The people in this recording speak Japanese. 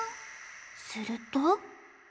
すると。